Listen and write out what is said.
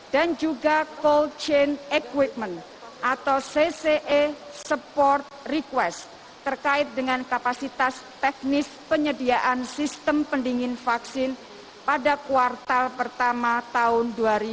dan juga cold chain equipment atau cce support request terkait dengan kapasitas teknis penyediaan sistem pendingin vaksin pada kuartal pertama tahun dua ribu dua puluh